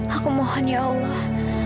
aku mohon ya allah